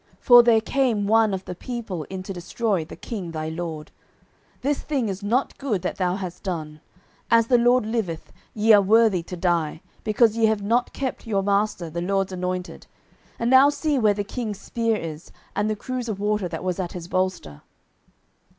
for there came one of the people in to destroy the king thy lord. 09:026:016 This thing is not good that thou hast done. As the LORD liveth, ye are worthy to die, because ye have not kept your master, the LORD's anointed. And now see where the king's spear is, and the cruse of water that was at his bolster.